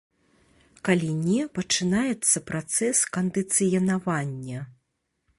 Калі не, пачынаецца працэс кандыцыянавання.